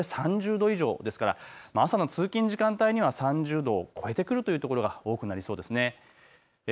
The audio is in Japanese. ３０度以上ですから朝の通勤時間帯には３０度を超えてくるというところが多くなりそうです。